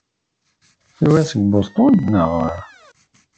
Yuba seg Boston, naɣ?